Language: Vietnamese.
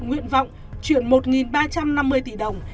nguyện vọng chuyển một ba trăm năm mươi tỷ đồng